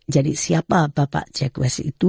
jadi siapa bapak jack west itu